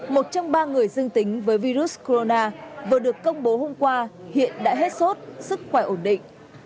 một trong ba người dương tính với virus corona vừa được công bố hôm qua hiện đã hết sốt sức khỏe ổn định